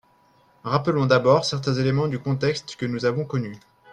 Rappelons d’abord certains éléments du contexte que nous avons connu.